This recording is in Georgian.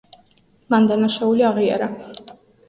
მან დანაშაული აღიარა.